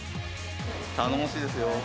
頼もしいですよ。